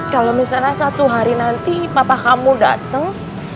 kalau misalnya satu hari nanti papa kamu datang